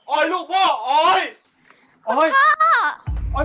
ออกไปเลย